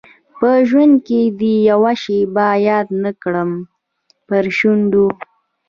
په ژوند کي دي یوه شېبه یاد نه کړمه پر شونډو